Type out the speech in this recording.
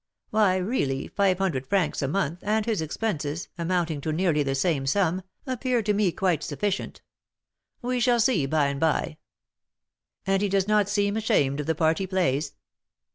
"Why, really, five hundred francs a month, and his expenses, amounting to nearly the same sum, appear to me quite sufficient; we shall see by and by." "And does he not seem ashamed of the part he plays?"